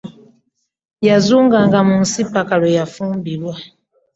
Yazunganga mu nsi ppaka lwe yafumbirwa.